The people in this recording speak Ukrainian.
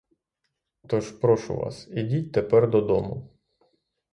Тож, прошу вас, ідіть тепер додому.